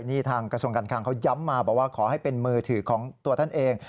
นี่ทางกระทรวงการคลังเขาย้ำมาบอกว่าขอให้เป็นมือถือของตัวท่านเอง